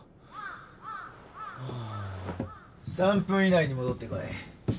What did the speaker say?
３分以内に戻ってこい。